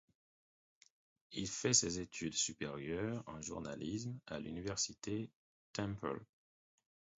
Il fait ses études supérieures en journalisme à l'Université Temple.